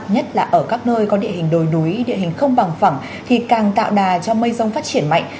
nhất là ở các nơi có địa hình đồi núi địa hình không bằng phẳng thì càng tạo đà cho mây rông phát triển mạnh